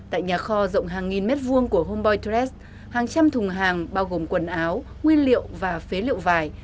tại nhà kho rộng hàng nghìn mét vuông của homboidres hàng trăm thùng hàng bao gồm quần áo nguyên liệu và phế liệu vải